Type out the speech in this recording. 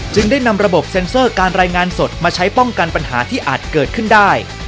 ได้นำระบบเซ็นเซอร์การรายงานสดมาใช้ป้องกันปัญหาที่อาจเกิดขึ้นได้